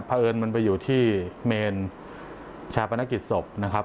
เพราะเอิญมันไปอยู่ที่เมนชาปนกิจศพนะครับ